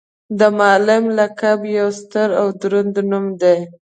د معلم لقب یو ستر او دروند نوم دی.